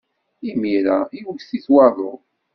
Imir-a iwet-it waḍu.